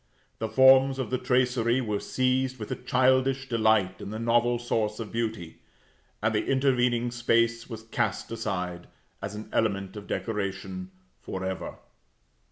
The forms of the tracery were seized with a childish delight in the novel source of beauty; and the intervening space was cast aside, as an element of decoration, for ever.